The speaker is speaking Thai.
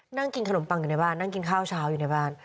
นั่งกินขนมปังอยู่ในบ้านนั่งกินข้าวเช้าอยู่ในบ้าน